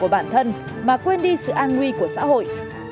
bản thân mà quên đi sự an nguy của xã hội